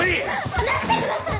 離してください！